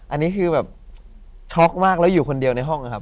อันนี้คือแบบช็อกมากแล้วอยู่คนเดียวในห้องนะครับ